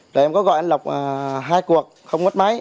tụi em có gọi anh lộc hai cuộc không mất máy